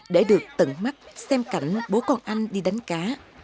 để được tận mắt xem cảnh bố con anh đi đánh cá